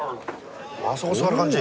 あそこ座る感じ。